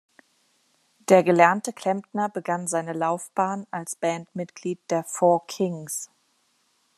Der gelernte Klempner begann seine Laufbahn als Bandmitglied der "Four Kings".